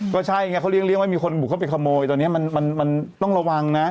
ก็ใช่ไงเขาเลี้ยไว้มีคนบุกเข้าไปขโมยตอนนี้มันต้องระวังนะ